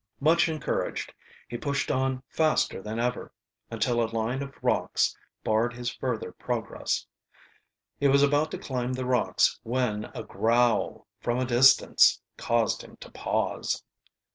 Much encouraged, he pushed on faster than ever, until a line of rocks barred his further progress. He was about to climb the rocks when a growl from a distance caused him to pause.